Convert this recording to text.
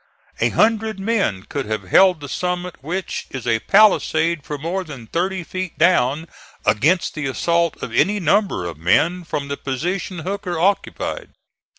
A hundred men could have held the summit which is a palisade for more than thirty feet down against the assault of any number of men from the position Hooker occupied.